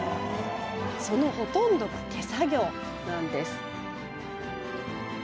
そのほとんどは手作業です。